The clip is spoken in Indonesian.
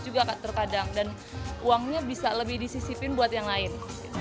dan uangnya bisa lebih disisipin buat yang lain